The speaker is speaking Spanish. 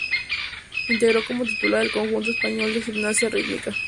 Integró como titular el conjunto español de gimnasia rítmica.